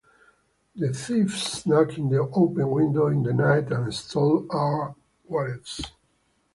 The thief snuck in the open window in the night and stole our wallets.